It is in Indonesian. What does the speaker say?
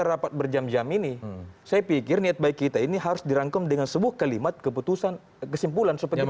berarti percuma kita rapat berjam jam ini saya pikir niat baik kita ini harus dirangkum dengan sebuah kelimat kesimpulan supaya kita sama sama mengawasi